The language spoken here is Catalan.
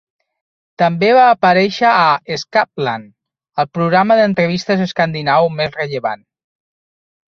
També va aparèixer a "Skavlan", el programa d'entrevistes escandinau més rellevant.